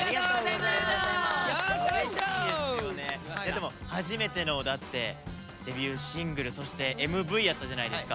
でも初めてのだってデビューシングル。そしてＭＶやったじゃないですか。